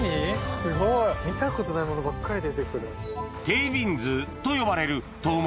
すごい。見たことないものばっかり出てくる。